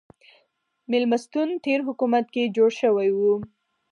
مېلمستون تېر حکومت کې جوړ شوی و.